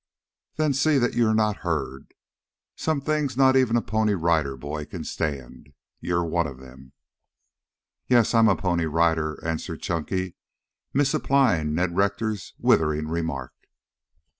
"Then see that you're not heard. Some things not even a Pony Rider boy can stand. You're one of them." "Yes, I'm a Pony Rider," answered Chunky, misapplying Ned Rector's withering remark.